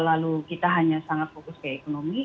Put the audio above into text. lalu kita hanya sangat fokus ke ekonomi